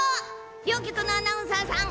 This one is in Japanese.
両局のアナウンサーさん